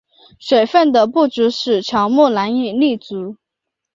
水分的不足使乔木难以立足。